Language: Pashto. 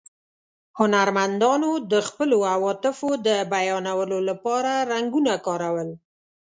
هنرمندانو د خپلو عواطفو د بیانولو له پاره رنګونه کارول.